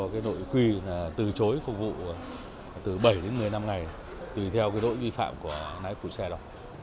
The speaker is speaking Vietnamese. theo đội quy từ chối phục vụ từ bảy đến một mươi năm ngày tùy theo đội vi phạm của nãi phụ xe đó